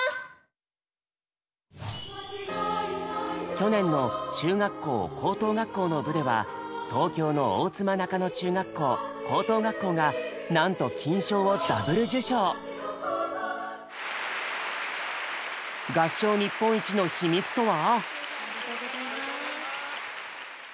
去年の中学校・高等学校の部では東京の大妻中野中学校・高等学校がなんと金賞を合唱日本一の秘密とは？